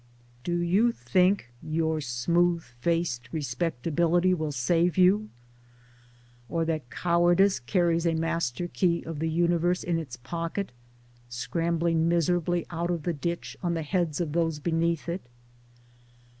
Do you think your smooth faced Respectability will save you ? or that Cowardice carries a master key of the universe in its pocket — scrambling miserably out of the ditch on the heads of those beneath it